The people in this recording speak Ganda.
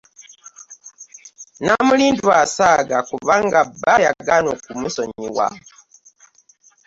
Namulindwa asaaga, kubanga bba yagaana okumusonyiwa.